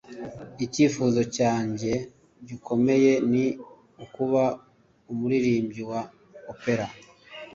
Icyifuzo cyanjye gikomeye ni ukuba umuririmbyi wa opera.